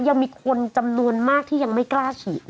ยังมีคนจำนวนมากที่ยังไม่กล้าฉีด